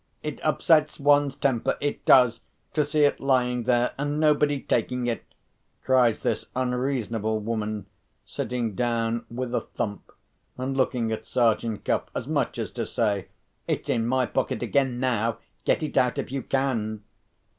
"It upsets one's temper, it does, to see it lying there, and nobody taking it," cries this unreasonable woman, sitting down with a thump, and looking at Sergeant Cuff, as much as to say, "It's in my pocket again now—get it out if you can!"